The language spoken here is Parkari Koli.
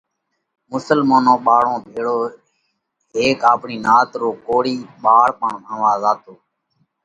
مشلمونَ ٻاۯون ڀيۯو هيڪ آپڻِي نات رو ڪوۯِي ٻاۯ پڻ ڀڻوا زاتو۔